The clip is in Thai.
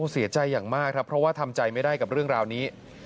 เสียใจอย่างมากครับเพราะว่าทำใจไม่ได้กับเรื่องราวนี้